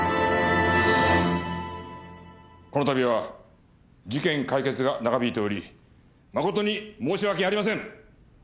この度は事件解決が長引いており誠に申し訳ありません。